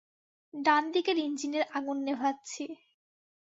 ডানদিকের ইঞ্জিনের আগুন নেভাচ্ছি।